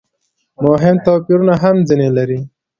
مهم توپیرونه هم ځنې لري.